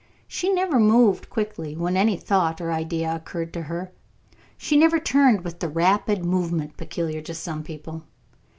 She never moved quickly when any thought or idea occurred to her; she never turned with the rapid movement peculiar to some people.